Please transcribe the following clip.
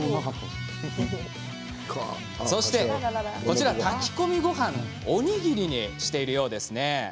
そしてこちら炊き込み御飯おにぎりにしているようですね。